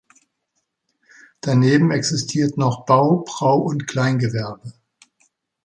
Daneben existiert noch Bau-, Brau- und Kleingewerbe.